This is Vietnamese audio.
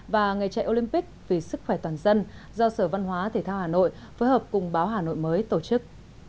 và ngày chạy olympic vì sức khỏe toàn dân do sở văn hóa thể thao hà nội phối hợp cùng báo hà nội mới tổ chức